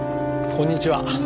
こんにちは。